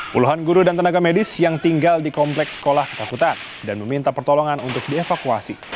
puluhan guru dan tenaga medis yang tinggal di kompleks sekolah ketakutan dan meminta pertolongan untuk dievakuasi